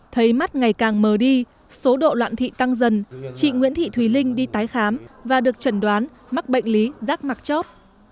thấy mắt ngày càng mờ đi số độ loạn thị tăng dần chị nguyễn thị thùy linh đi tái khám và được chẩn đoán mắc bệnh lý rác mặc chóp